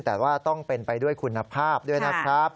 แต่ว่าต้องเป็นไปด้วยคุณภาพด้วยนะครับ